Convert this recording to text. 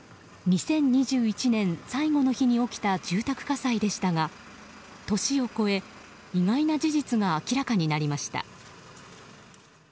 ２０２１年最後の日に起きた住宅火災でしたが年を越え、意外な事実が明らかになりました。